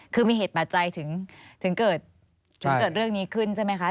คือมีเหตุปัจจัยถึงเกิดเรื่องนี้ขึ้นใช่ไหมคะ